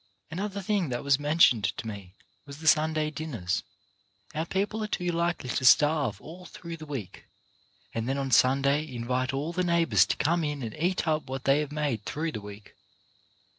Another thing that was mentioned to me was the Sunday dinners. Our people are too likely to starve all through the week, and then on Sunday invite all the neighbours to come in and eat up what they have made through the week.